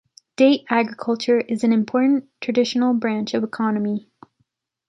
Date agriculture is an important traditional branch of economy.